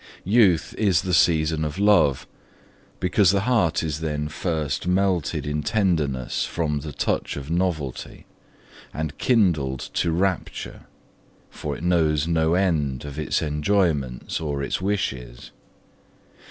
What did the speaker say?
Youth is the season of love, because the heart is then first melted in tenderness from the touch of novelty, and kindled to rapture, for it knows no end of its enjoyments or its wishes.